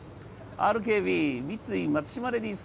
ＲＫＢ×三井松島レディス